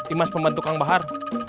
imas pembantu kang bahar